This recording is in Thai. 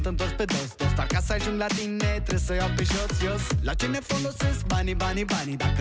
เดี๋ยวไปดูรีลาของเราแพทย์และพยาบาลกันหน่อยค่ะ